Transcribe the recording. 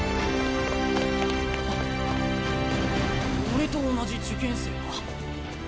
俺と同じ受験生か。